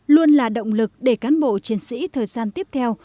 luôn là động lực để cán bộ chiến sĩ thời gian tiếp theo